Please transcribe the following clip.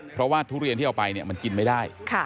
เพราะว่าทุเรียนที่เอาไปมันกินไม่ได้